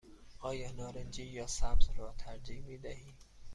آیا نارنجی یا سبز را ترجیح می دهی؟